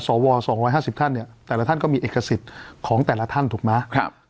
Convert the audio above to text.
สว๒๕๐ท่านเนี่ยแต่ละท่านก็มีเอกสิทธิ์ของแต่ละท่านถูกไหม